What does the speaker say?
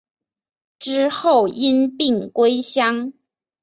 之后因病归乡。